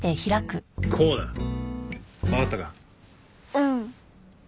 うん。